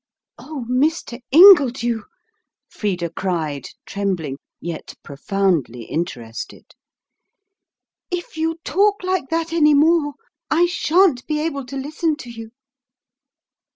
"Oh, Mr. Ingledew," Frida cried, trembling, yet profoundly interested; "if you talk like that any more, I shan't be able to listen to you."